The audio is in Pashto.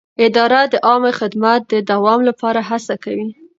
اداره د عامه خدمت د دوام لپاره هڅه کوي.